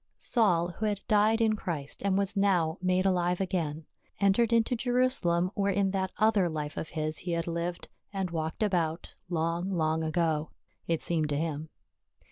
Saul, who had died in Christ and was now made alive again, entered into Jerusalem where in that other life of his he had lived and walked about, long, long ago — it seemed to him.